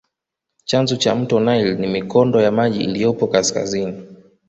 Chanzo cha mto nile ni mikondo ya maji iliyopo kaskazini